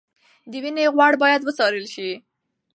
د وینې غوړ باید وڅارل شي.